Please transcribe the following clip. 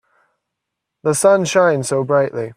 The sun shines so brightly.